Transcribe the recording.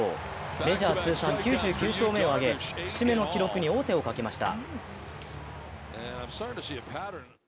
メジャー通算９９勝目を挙げ節目の記録に王手をかけました。